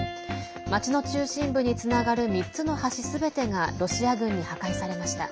町の中心部につながる３つの橋すべてがロシア軍に破壊されました。